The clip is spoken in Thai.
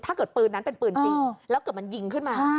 ถ้าเกิดปืนนั้นเป็นปืนจริงแล้วเกิดมันยิงขึ้นมา